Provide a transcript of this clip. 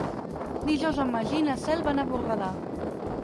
Dijous en Magí i na Cel van a Borredà.